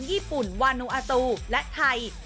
ญี่ปุ่นวานูอาตูและไทย